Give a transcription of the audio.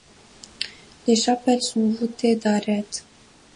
Les chapelles sont voûtées d'arêtes.